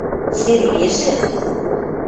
– Сергежӹ?